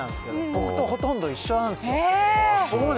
僕とほとんど一緒なんです。